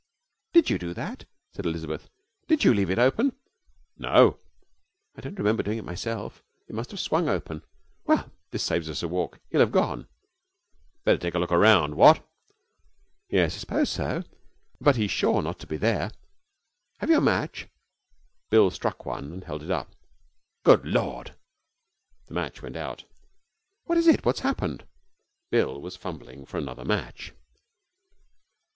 'Did you do that?' said Elizabeth. 'Did you leave it open?' 'No.' 'I don't remember doing it myself. It must have swung open. Well, this saves us a walk. He'll have gone.' 'Better take a look round, what?' 'Yes, I suppose so; but he's sure not to be there. Have you a match?' Bill struck one and held it up. 'Good Lord!' The match went out. 'What is it? What has happened?' Bill was fumbling for another match.